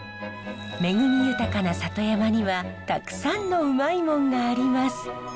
恵み豊かな里山にはたくさんのウマいモンがあります。